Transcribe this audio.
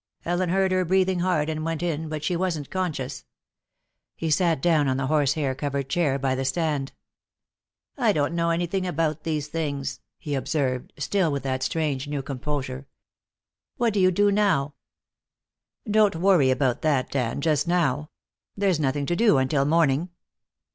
Ellen heard her breathing hard and went in, but she wasn't conscious." He sat down on the horse hair covered chair by the stand. "I don't know anything about these things," he observed, still with that strange new composure. "What do you do now?" "Don't worry about that, Dan, just now. There's nothing to do until morning."